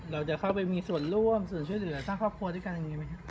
เราจะเข้าไปมีส่วนร่วมส่วนช่วยเหลือสร้างครอบครัวด้วยกันอย่างนี้ไหมครับ